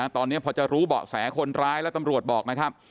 ตอนนี้พอจะรู้เบาะแสคนร้ายแล้วตำรวจบอกนะครับ